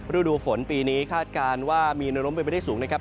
รูดูฝนปีนี้คาดการณ์ว่ามีน้ำล้มเป็นประเภทสูงนะครับ